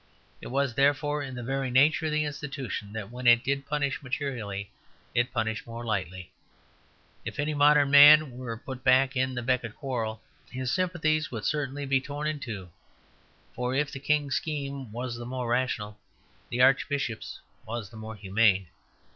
It was, therefore, in the very nature of the institution, that when it did punish materially it punished more lightly. If any modern man were put back in the Becket quarrel, his sympathies would certainly be torn in two; for if the King's scheme was the more rational, the Archbishop's was the more humane.